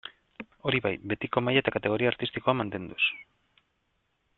Hori bai, betiko maila eta kategoria artistikoa mantenduz.